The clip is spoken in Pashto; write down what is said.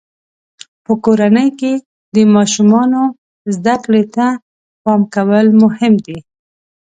په کورنۍ کې د ماشومانو زده کړې ته پام کول مهم دي.